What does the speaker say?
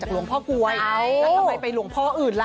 หลวงพ่อกลวยแล้วทำไมไปหลวงพ่ออื่นล่ะ